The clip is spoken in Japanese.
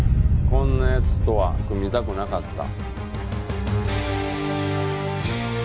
こんな奴とは組みたくなかった？